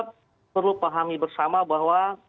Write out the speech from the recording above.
perlu pahami bersama bahwa